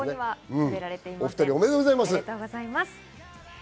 お２人、おめでとうございます。